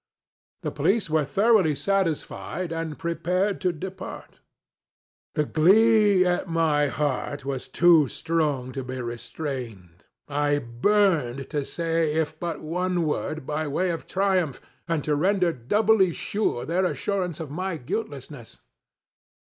The police were thoroughly satisfied and prepared to depart. The glee at my heart was too strong to be restrained. I burned to say if but one word, by way of triumph, and to render doubly sure their assurance of my guiltlessness.